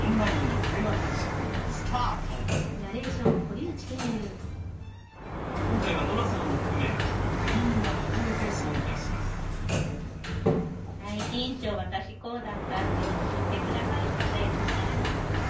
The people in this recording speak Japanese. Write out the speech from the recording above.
第一印象私こうだったというのを教えてくださる方いらっしゃいますか？